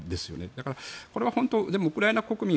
だから、これは本当にウクライナ国民